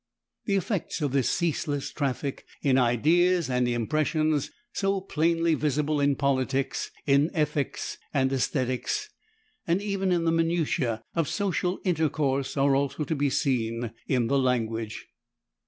The effects of this ceaseless traffic in ideas and impressions, so plainly visible in politics, in ethics and aesthetics, and even in the minutae of social intercourse, are also to be seen in the language.